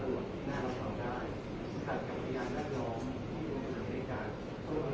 แต่ว่าให้ประสอบพนักการสอบกันเพื่อได้ความเร็วขึ้นไหมครับด้วย